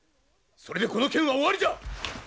それでこの件は終わりじゃ！